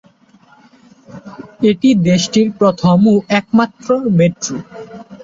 এটি দেশটির প্রথম ও একমাত্র মেট্রো।